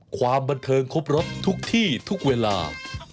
ความบันเทิงครบรถทุกที่ทุกเวลา